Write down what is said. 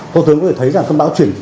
hồ tướng có thể thấy rằng cơn bão chuyển